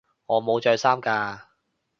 我冇着衫㗎